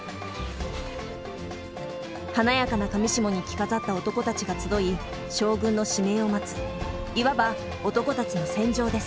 華やかな裃に着飾った男たちが集い将軍の指名を待ついわば男たちの戦場です。